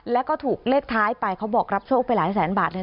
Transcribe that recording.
แล้วก็ถูกเลขท้ายไปเขาบอกรับโชคไปหลายแสนบาทเลย